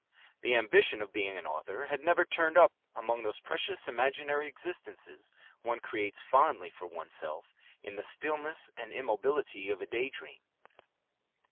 The ambition of being an author had never turned up among those precious imaginary existences one creates fondly for oneself in the stillness and immobility of a daydream."